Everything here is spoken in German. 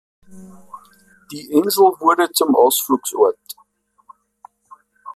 Die Insel wurde zum Ausflugsort.